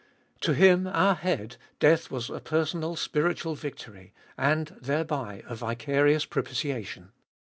To Him, our Head, death was a personal spiritual victory, and thereby a vicarious propitiation.